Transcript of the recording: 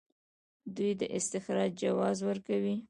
دوی د استخراج جواز ورکوي.